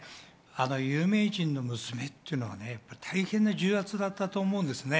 有名人の娘っていうのは大変な重圧だったと思うんですね。